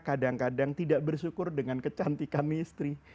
kadang kadang tidak bersyukur dengan kecantikan istri